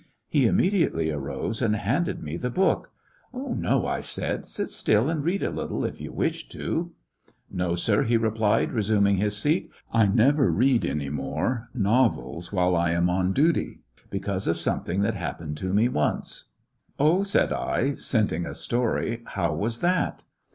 He immediately arose and handed me the book. "No," I said ; "sit still and read a little, if you wish to." "No, sir," he replied, resuming his seat ; "I never read any more novels while I am on duty, because of something that happened to me once." 81 HiecoUections of a "Oh !" said I, scenting a story, "how was that!"